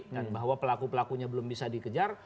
dan bahwa pelaku pelakunya belum bisa dikejar